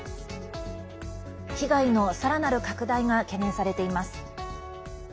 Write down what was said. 被害のさらなる拡大が懸念されています。